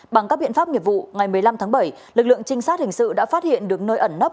bằng các biện pháp nghiệp vụ ngày một mươi năm tháng bảy lực lượng trinh sát hình sự đã phát hiện được nơi ẩn nấp